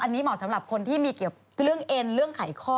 อันนี้เหมาะสำหรับคนที่มีเกี่ยวเรื่องเอ็นเรื่องไขข้อ